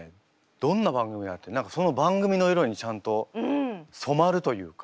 どんな番組やってもその番組の色にちゃんと染まるというか。